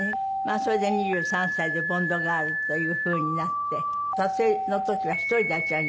それで２３歳でボンドガールという風になって撮影の時は１人であちらに行ってらしたの？